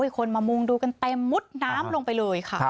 คนมามุงดูกันแต่มุดน้ำลงไปเลย